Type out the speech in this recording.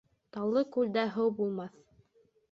Таллы күлдә һыу булмаҫ